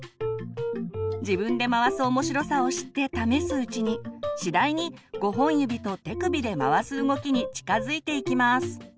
自分で回す面白さを知って試すうちに次第に５本指と手首で回す動きに近づいていきます。